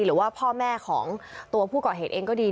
หรือว่าพ่อแม่ของตัวผู้ก่อเหตุเองก็ดี